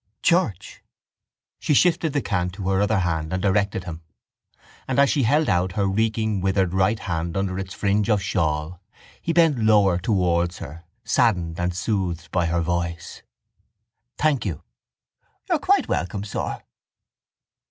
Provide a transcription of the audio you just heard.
—Church? She shifted the can to her other hand and directed him; and, as she held out her reeking withered right hand under its fringe of shawl, he bent lower towards her, saddened and soothed by her voice. —Thank you. —You are quite welcome, sir.